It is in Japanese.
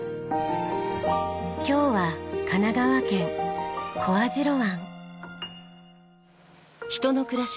今日は神奈川県小網代湾。